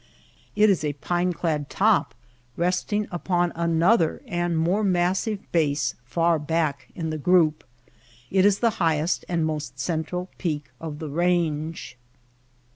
It is a pine clad top resting upon another and more massive base far back in the group. It is the highest and most central peak of the range.